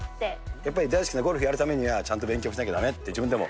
やっぱり大好きなゴルフやるためには、ちゃんと勉強もしなきゃだめって、自分でも。